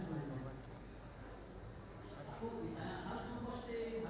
jadi saudara memposting